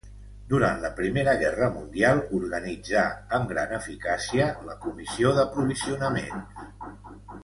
Durant la primera guerra mundial organitzà, amb gran eficàcia, la Comissió d'Aprovisionaments.